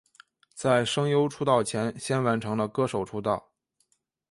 在声优出道前先完成了歌手出道。